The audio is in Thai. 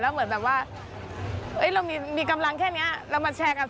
เหมือนแบบว่าเรามีกำลังแค่นี้เรามาแชร์กับ